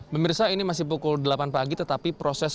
memirsa ini masih pukul delapan pagi tetapi proses sebelas